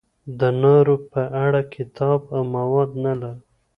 د نارو په اړه کتاب او مواد نه لرم.